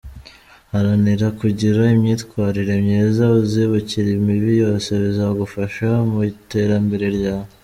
Haranira kugira imyitwarire myiza uzibukire imibi yose, bizagufasha mu iterambere ryawe.